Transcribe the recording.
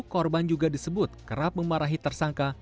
korban juga disebut kerap memarahi tersangka